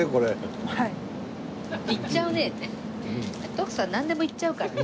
徳さんなんでもいっちゃうからね。